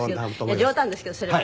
冗談ですけどそれは。